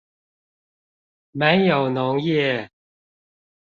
沒有農業